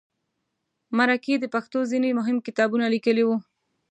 مرکې د پښتو ځینې مهم کتابونه لیکلي وو.